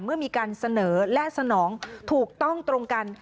เมื่อมีการเสนอและสนองถูกต้องตรงกัน